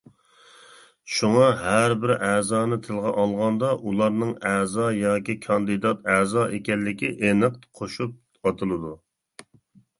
شۇڭا ھەر بىر ئەزانى تىلغا ئالغاندا، ئۇلارنىڭ ئەزا ياكى كاندىدات ئەزا ئىكەنلىكى ئېنىق قوشۇپ ئاتىلىدۇ.